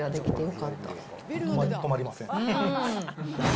止まりません。